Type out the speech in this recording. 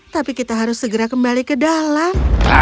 tapi kita harus segera kembali ke dalam